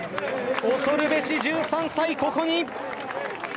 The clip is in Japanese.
恐るべし１３歳ここに！